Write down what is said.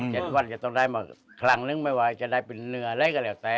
วันจะต้องได้มาครั้งนึงไม่ว่าจะได้เป็นเนื้ออะไรก็แล้วแต่